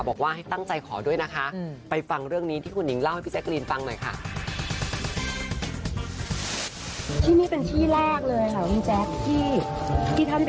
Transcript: บอกว่าให้ตั้งใจขอด้วยนะคะไปฟังเรื่องนี้ที่คุณหญิงเล่าให้พี่แจ๊กรีนฟังหน่อยค่ะ